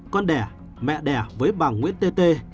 con đẻ mẹ đẻ với bà nguyễn tt